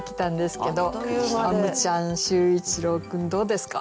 あむちゃん秀一郎君どうですか？